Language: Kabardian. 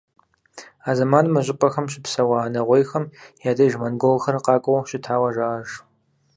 А зэманым мы щӀыпӀэхэм щыпсэуа нэгъуейхэм я деж монголхэр къакӀуэу щытауэ жаӀэж.